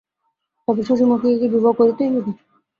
তবে শশিমুখীকে কি বিবাহ করিতেই হইবে?